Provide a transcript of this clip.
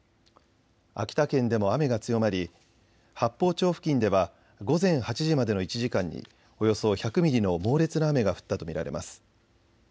秋田県でも雨が強まり八峰町付近では午前８時までの１時間におよそ１００ミリの猛烈な雨が降ったと見られます。